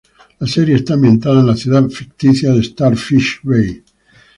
La serie está ambientada en la ciudad ficticia de Starfish Bay.